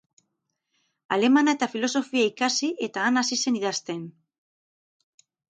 Alemana eta filosofia ikasi, eta han hasi zen idazten.